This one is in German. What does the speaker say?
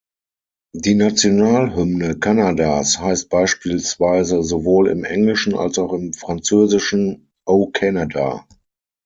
Die Nationalhymne Kanadas heißt beispielsweise sowohl im Englischen als auch im Französischen „O Canada“.